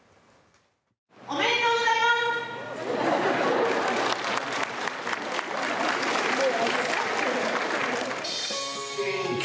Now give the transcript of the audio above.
おめでとうございます！